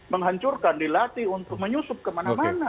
menghancurkan dilatih untuk menyusup kemana mana